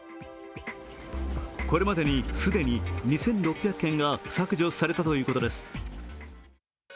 これまでに既に２６００件が削除されたということです。